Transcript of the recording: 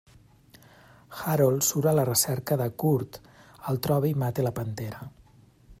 Harold surt a la recerca de Curt, el troba i mata la pantera.